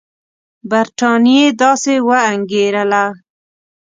برټانیې داسې وانګېرله.